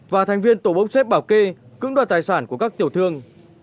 và thành viên tổ bốc xếp bảo kê cưỡng đoạt tài sản của các tiểu thương